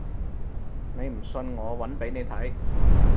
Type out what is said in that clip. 你唔信我搵俾你睇